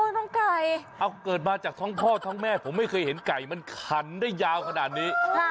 แต่เกิดมาจากทั้งพ่อทั้งแม่ผมไม่เห็นไก่มันขันได้ยาวอย่างนี้